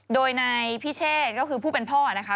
โดยนายพิเชษก็คือผู้เป็นพ่อนะคะ